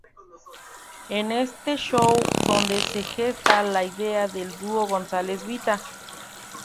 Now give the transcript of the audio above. Es en este show donde se gesta la idea del dúo González-Vita.